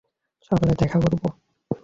সকালে দেখা করব।